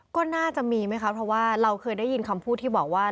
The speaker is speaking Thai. ก็น่าจะมีไหมคะเพราะว่าเราเคยได้ยินคำพูดที่บอกว่า